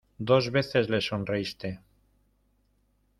dos veces le sonreíste...